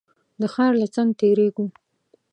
د ښار له څنګ تېرېږو.